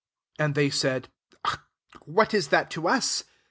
And they t; nid, " What m that to us